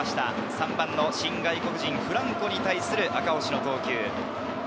３番の新外国人、フランコに対する赤星の投球です。